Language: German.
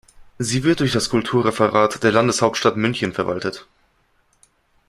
Sie wird durch das Kulturreferat der Landeshauptstadt München verwaltet.